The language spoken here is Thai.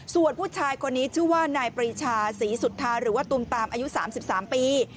ส่วนผู้ชายคนนี้ชื่อว่านายปรีชาศรีสุธาหรือว่าตุมตามอายุ๓๓ปี